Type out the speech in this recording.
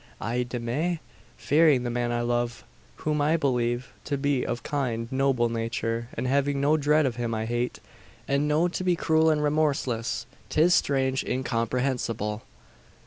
"Ay de mi! Fearing the man I love, whom I believe to be of kind, noble nature and having no dread of him I hate, and know to be cruel and remorseless! 'Tis strange incomprehensible!